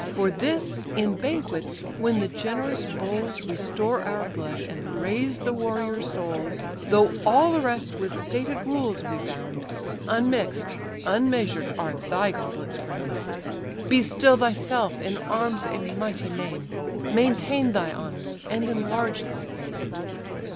For this, in banquets, when the generous bowls Restore our blood, and raise the warriors' souls, Though all the rest with stated rules we bound, Unmix'd, unmeasured, are thy goblets crown'd. Be still thyself, in arms a mighty name; Maintain thy honours, and enlarge thy fame."